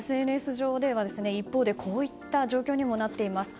一方でＳＮＳ上ではこういった状況にもなっています。